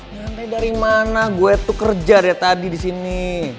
nyantai dari mana gua itu kerja dari tadi di sini